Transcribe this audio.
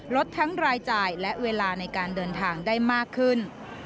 ลดทั้งรายจ่ายและเวลาในการเดินทางได้มากขึ้น